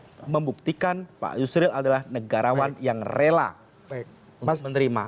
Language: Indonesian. yang membuktikan pak yusril adalah negarawan yang rela menerima